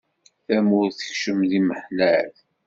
Tamurt tekcem di miḥlal.